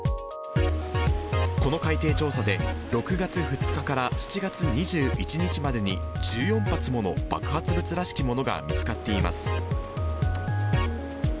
この海底調査で、６月２日から７月２１日までに、１４発もの爆発物らしきものが見つかっています。